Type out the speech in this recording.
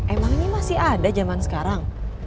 emang ini masih ada zaman sekarang